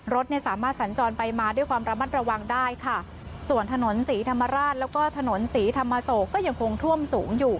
รถเนี่ยสามารถสัญจรไปมาด้วยความระมัดระวังได้ค่ะส่วนถนนศรีธรรมราชแล้วก็ถนนศรีธรรมโศกก็ยังคงท่วมสูงอยู่